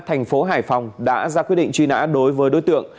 tp hải phòng đã ra quyết định truy nã đối với đối tượng